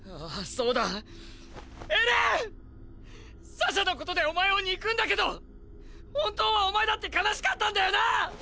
サシャのことでお前を憎んだけど本当はお前だって悲しかったんだよな